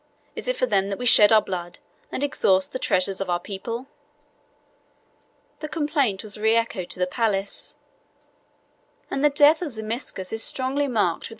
Is it for them that we shed our blood, and exhaust the treasures of our people?" The complaint was reechoed to the palace, and the death of Zimisces is strongly marked with the suspicion of poison.